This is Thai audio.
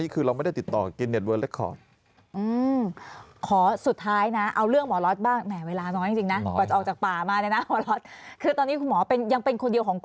ขอสุดท้ายนะเอาเรื่องหมอรอดบ้าง